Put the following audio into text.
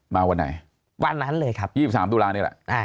มาวันไหนวันนั้นเลยครับยี่สิบสามตู้ร้านนี่แหละอ่า